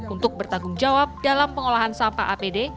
untuk bertanggung jawab dalam pengolahan sampah apd